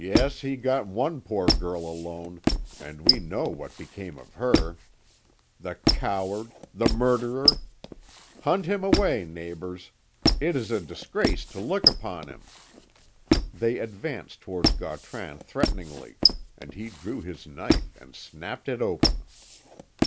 Yes, he got one poor girl alone, and we know what became of her. The coward! the murderer! Hunt him away, neighbours. It is a disgrace to look upon him." They advanced towards Gautran threateningly, and he drew his knife and snapped it open.